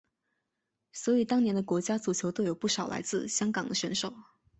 所以当年的国家足球队有不少来自香港的选手。